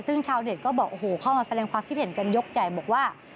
ซึ่งชาวเด็ดก็เข้ามาแสดงความคิดเห็นกันยกใหญ่บอกว่า